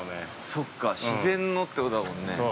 ◆そっか、自然のってことだもんね。